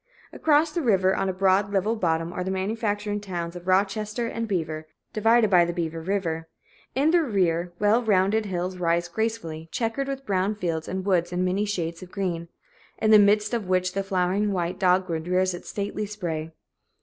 [A] Across the river, on a broad level bottom, are the manufacturing towns of Rochester and Beaver, divided by the Beaver River; in their rear, well rounded hills rise gracefully, checkered with brown fields and woods in many shades of green, in the midst of which the flowering white dogwood rears its stately spray.